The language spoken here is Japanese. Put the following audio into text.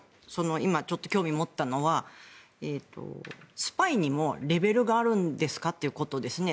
今、興味を持ったのはスパイにもレベルがあるんですかということですね。